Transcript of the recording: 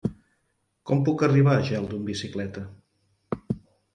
Com puc arribar a Geldo amb bicicleta?